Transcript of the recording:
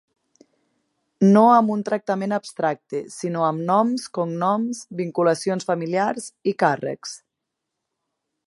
No amb un tractament abstracte, sinó amb noms, cognoms, vinculacions familiars i càrrecs.